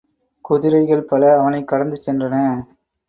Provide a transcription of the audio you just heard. குதிரைகள் பல அவனைக் கடந்து சென்றன.